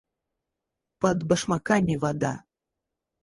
Под башмаками вода.